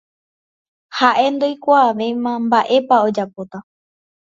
ha'e ndoikuaavéi mba'épa ojapóta